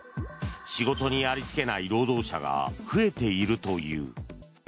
仕事にありつけない労働者が増えているという。